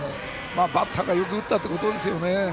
バッターがよく打ったということですね。